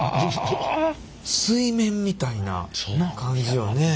水面みたいな感じよね。